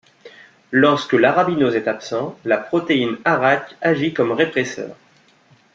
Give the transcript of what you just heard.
Lorsque l’arabinose est absent, la protéine AraC agit comme répresseur.